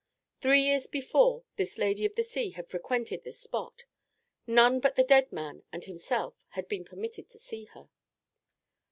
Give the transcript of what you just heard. Three years before this lady of the sea had frequented this spot; none but the dead man and himself had been permitted to see her.